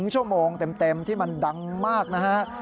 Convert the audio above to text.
ชั่วโมงเต็มที่มันดังมากนะฮะ